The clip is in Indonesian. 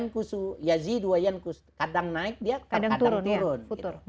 kadang naik kadang turun